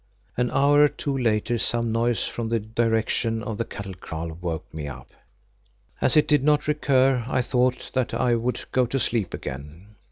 An hour or two later some noise from the direction of the cattle kraal woke me up. As it did not recur, I thought that I would go to sleep again.